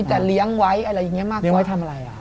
ที่ทำอะไร